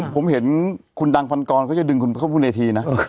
ผมเห็นคุณดังพันกรเขาจะดึงคุณเข้าบนเวทีนะ